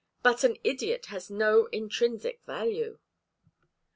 But an idiot has no intrinsic value."